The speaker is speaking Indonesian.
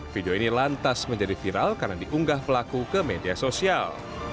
video ini lantas menjadi viral karena diunggah pelaku ke media sosial